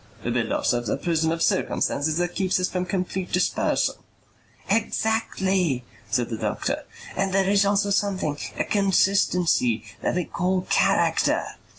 "We build ourselves a prison of circumstances that keeps us from complete dispersal." "Exactly," said the doctor. "And there is also something, a consistency, that we call character."